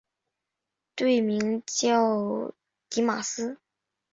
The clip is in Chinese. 队名叫狄玛斯。